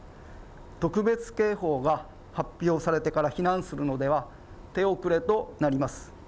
特別警報が発表されてから避難するのでは、手遅れとなります。